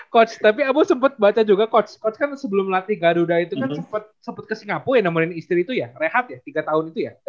coach tapi aku sempet baca juga coach coach kan sebelum latih garuda itu kan sempet sempet ke singapura yang namanya istri itu ya rehab ya tiga tahun itu ya